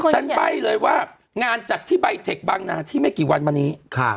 ใบ้เลยว่างานจัดที่ใบเทคบางนาที่ไม่กี่วันมานี้